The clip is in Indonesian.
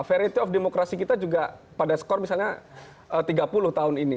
verity of demokrasi kita juga pada skor misalnya tiga puluh tahun ini